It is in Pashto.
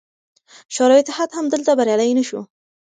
شوروي اتحاد هم دلته بریالی نه شو.